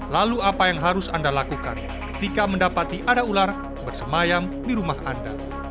lalu apa yang harus anda lakukan ketika mendapati ada ular bersemayam di rumah anda